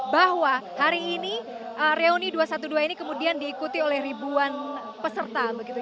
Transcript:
bahwa hari ini reuni dua ratus dua belas ini kemudian diikuti oleh ribuan peserta begitu